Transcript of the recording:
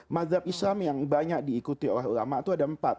mazhab islam yang banyak diikuti oleh ulama itu ada empat